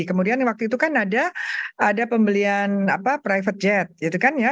kemudian waktu itu kan ada pembelian private jet gitu kan ya